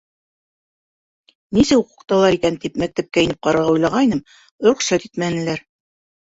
Нисек уҡыталар икән тип мәктәпкә инеп ҡарарға уйлағайным, рөхсәт итмәнеләр.